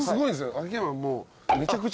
秋山もう。